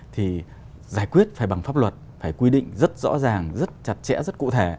thì giải quyết phải bằng pháp luật phải quy định rất rõ ràng rất chặt chẽ rất cụ thể